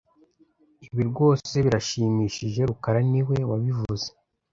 Ibi rwose birashimishije rukara niwe wabivuze